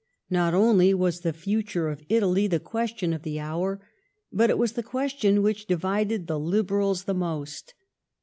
Not only was the future of Italy the question of the hour, but it was the question which divided the Liberals the least.